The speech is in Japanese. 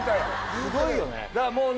すごいよね。